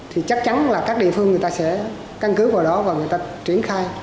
thì chắc chắn là các địa phương người ta sẽ căn cứ vào đó và người ta triển khai